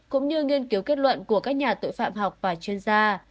cũng như nghiên cứu kết luận của các nhà tội phạm học và chuyên gia